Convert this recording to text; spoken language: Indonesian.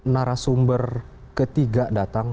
nara sumber ketiga datang